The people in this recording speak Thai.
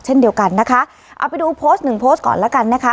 เช่นเดียวกันนะคะเอาไปดูโพสต์หนึ่งโพสต์ก่อนแล้วกันนะคะ